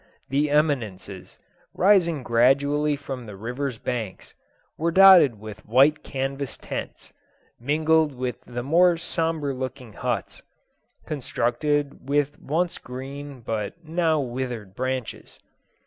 The eminences, rising gradually from the river's banks, were dotted with white canvas tents, mingled with the more sombre looking huts, constructed with once green but now withered branches.